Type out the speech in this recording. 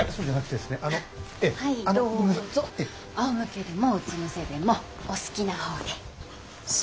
あおむけでもうつ伏せでもお好きな方で。